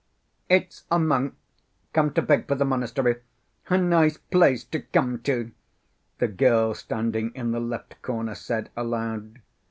"It's a monk come to beg for the monastery. A nice place to come to!" the girl standing in the left corner said aloud.